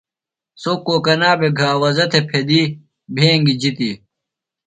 سوۡ کوکنا بھےۡ گھاوزہ تھےۡ پھدِیۡ بھینگیۡ جِتیۡ۔